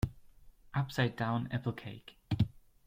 Upside down apple cake.